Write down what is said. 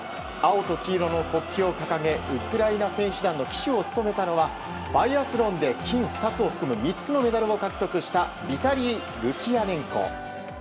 青と黄色の国旗を掲げウクライナ選手団の旗手を務めたのはバイアスロンで金２つを含む３つのメダルを獲得したビタリー・ルキヤネンコ。